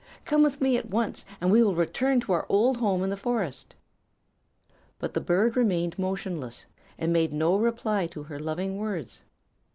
Come with me at once, and we will return to our old home in the forest.' "But the bird remained motionless and made no reply to her loving words.